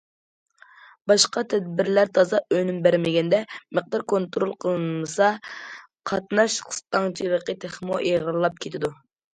باشقا تەدبىرلەر تازا ئۈنۈم بەرمىگەندە، مىقدار كونترول قىلىنمىسا، قاتناش قىستاڭچىلىقى تېخىمۇ ئېغىرلاپ كېتىدۇ.